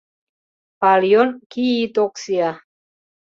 Палйон киитоксиа...